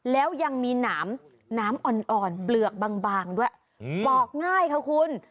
แล้วยังมีน้ำอ่อนเปลือกบางด้วยปอกง่ายค่ะคุณ